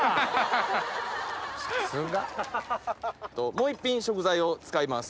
もう１品食材を使います。